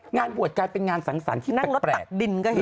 งานบวชกลายเป็นงานสังสรรค์ที่นั่งแตะดินก็เห็น